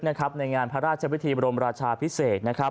ในงานพระราชวิธีบรมราชาพิเศษ